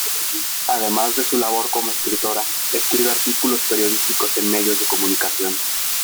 Además de su labor como escritora, escribe artículos periodísticos en medios de comunicación.